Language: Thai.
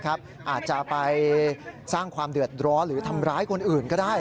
อาจจะไปสร้างความเดือดร้อนหรือทำร้ายคนอื่นก็ได้